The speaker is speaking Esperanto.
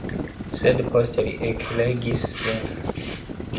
Sed poste li ekregis sin.